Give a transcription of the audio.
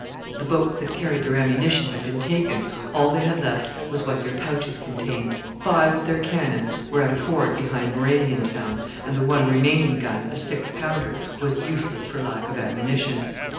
The boats that carried their ammunition had been taken all they had left was what their pouches contained. Five of their cannon were at a ford behind Moraviantown, and the one remaining gun a six pounder was useless for lack of ammunition.